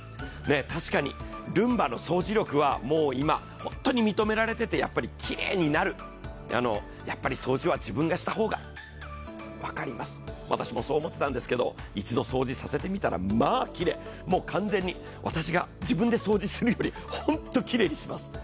確かに、ルンバの掃除力は本当に今認められてて、やっぱりきれいになる、掃除は自分がした方が分かります、私もそう思ったんですけど１度掃除させてみたらまあ、きれい、もう完全に私が自分で掃除するよりホントにきれいにします。